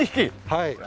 はい。